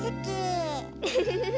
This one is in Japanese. ウフフフフ！